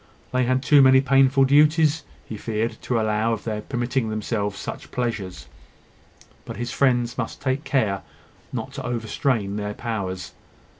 They had too many painful duties, he feared, to allow of their permitting themselves such pleasures: but his friends must take care not to overstrain their powers.